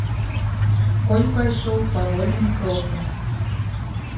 Конь пайшоў павольным крокам.